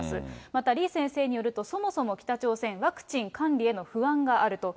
また李先生によると、そもそも北朝鮮、ワクチン管理への不安があると。